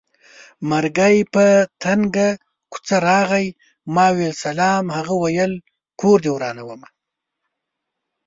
مرګی په تنګه کوڅه راغی ما وېل سلام هغه وېل کور دې ورانومه